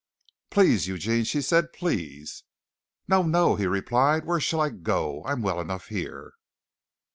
"Please, Eugene!" she said. "Please!" "No, no," he replied. "Where shall I go? I am well enough here."